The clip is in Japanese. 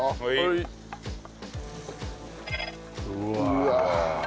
うわ。